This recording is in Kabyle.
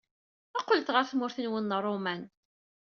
Qqlet ɣer tmurt-nwen a Ṛṛuman!